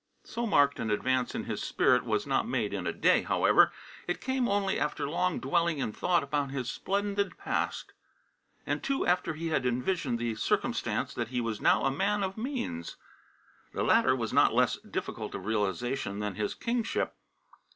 So marked an advance in his spirit was not made in a day, however. It came only after long dwelling in thought upon his splendid past. And, too, after he had envisioned the circumstance that he was now a man of means. The latter was not less difficult of realization than his kingship.